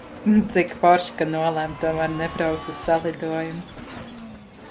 Cik forši, ka nolēmu tomēr nebraukt uz salidojumu!